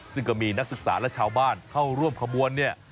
ซึ่งก็มีนักศึกษาและชาวบ้านเข้าร่วมขบวนเนี่ย